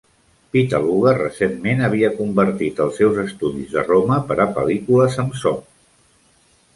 Pittaluga recentment havia convertit els seus estudis de Roma per a pel·lícules amb so.